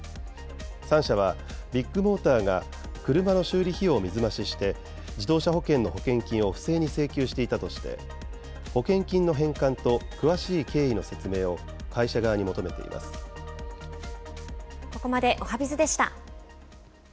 ３社はビッグモーターが車の修理費用を水増しして、自動車保険の保険金を不正に請求していたとして、保険金の返還と詳しい経緯のここまでおはＢｉｚでした。